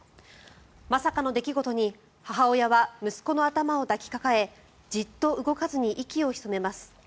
まさかの出来事に母親は息子の頭を抱きかかえじっと動かずに息を潜めます。